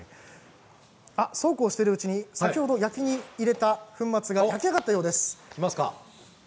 そうこうしているうちに先ほどの粉末、焼き上がったようです。